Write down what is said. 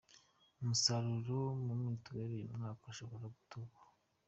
Umusaruro wa mituweli uyu mwaka ushobora gutuba.